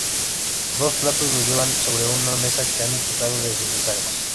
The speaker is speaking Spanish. Los platos los llevan sobre una mesa que han quitado de sus bisagras.